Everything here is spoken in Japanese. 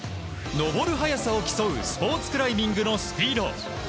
上る速さを競うスポーツクライミングのスピード。